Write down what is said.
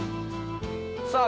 ◆さあ